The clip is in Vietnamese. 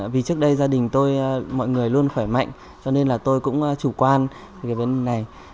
vì trước đây gia đình tôi mọi người luôn khỏe mạnh cho nên là tôi cũng chủ quan cái bên này